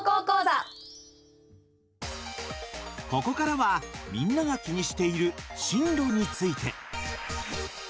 ここからはみんなが気にしている進路について。